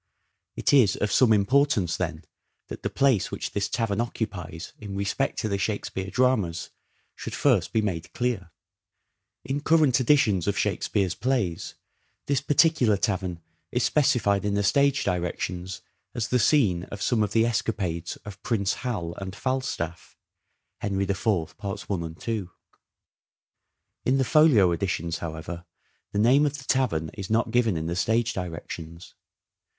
It is of some importance, then, that the place which this tavern occupies in respect to the Shakespeare dramas should first be made clear. In current editions of Shakespeare's plays, this particular tavern is specified in the stage directions as the scene of some of the escapades of Prince Hal and Falstaff (Henry IV, parts i and 2). In the Folio Editions, however, the name of the tavern is not given in the stage directions.